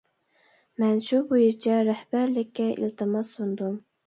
مەن شۇ بويىچە رەھبەرلىككە ئىلتىماس سۇندۇم.